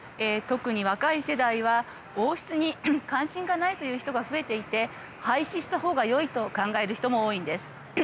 特に若い世代は王室に関心がないという人が増えていて廃止したほうがよいと考える人も多いんです。